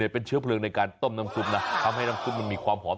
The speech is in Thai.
เป็นเชื้อเพลิงในการต้มน้ำซุปนะทำให้น้ำซุปมันมีความหอม